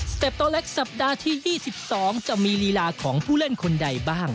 เต็ปโต๊ะเล็กสัปดาห์ที่๒๒จะมีลีลาของผู้เล่นคนใดบ้าง